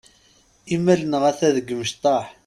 Imal-nneɣ ata deg imecṭaḥ.